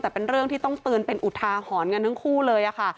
แต่เป็นเรื่องที่ต้องเตือนเป็นอุทาหรณ์กันทั้งคู่เลยค่ะ